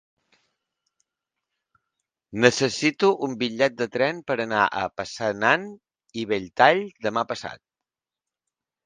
Necessito un bitllet de tren per anar a Passanant i Belltall demà passat.